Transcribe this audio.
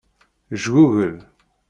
Jgugel.